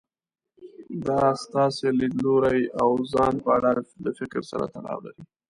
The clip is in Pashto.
دا ستاسې له ليدلوري او ځان په اړه له فکر سره تړاو لري.